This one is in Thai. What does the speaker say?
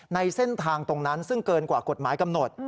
ในเส้นทางตรงนั้นซึ่งเกินกว่ากฎหมายกำหนด